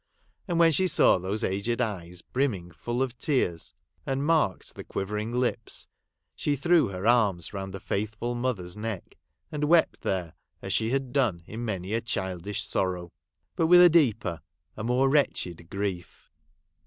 And when she saw those aged eyes brimming full of tears, and marked the quivering lips, she threw her arms round the faithful mother's neck, and wept there as she had done in many a childish sorrow ; but with a deeper, a more wretched grief.